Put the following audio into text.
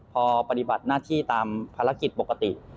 พอปฏิบัติหน้าที่ตามภารกิจปกติ